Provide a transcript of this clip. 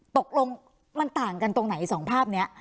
ตกลงมันต่างกันตรงไหนสองภาพนี้